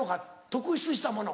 特出したもの。